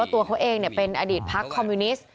ว่าตัวเขาเองเนี่ยเป็นอดีตพักฯคอมมิวนิสต์